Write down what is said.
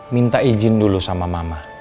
minta izin dulu sama mama